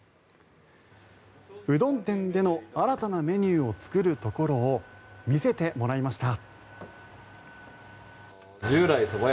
うどん店での新たなメニューを作るところを見せてもらいました。